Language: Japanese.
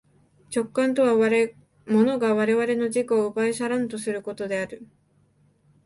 直観とは物が我々の自己を奪い去らんとすることである。